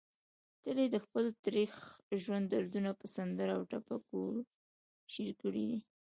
تل يې دخپل تريخ ژوند دردونه په سندره او ټپه کوشېر کړي دي